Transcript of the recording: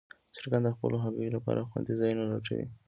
چرګان د خپلو هګیو لپاره خوندي ځای لټوي.